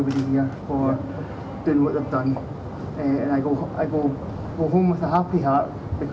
tôi sẽ về nhà với một tâm hồn hạnh phúc